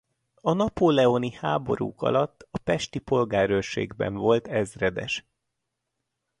A napóleoni háborúk alatt a pesti polgárőrségben volt ezredes.